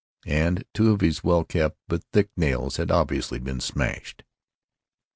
And two of his well kept but thick nails had obviously been smashed.